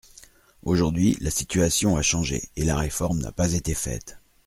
Aujourd’hui, la situation a changé, et la réforme n’a pas été faite.